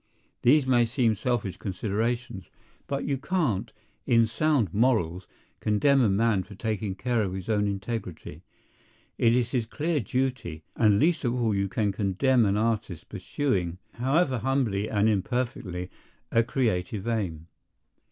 These may seem selfish considerations; but you can't, in sound morals, condemn a man for taking care of his own integrity. It is his clear duty. And least of all can you condemn an artist pursuing, however humbly and imperfectly, a creative aim.